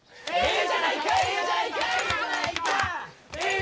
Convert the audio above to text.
え？